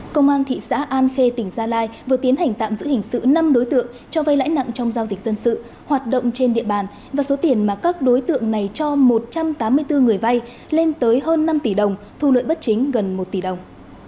công an thị xã an khê tỉnh gia lai vừa tiến hành tạm giữ hình sự năm đối tượng cho vay lãi nặng trong giao dịch dân sự hoạt động trên địa bàn và số tiền mà các đối tượng này cho một trăm tám mươi bốn người vay lên tới hơn năm tỷ đồng thu lợi bất chính gần một tỷ đồng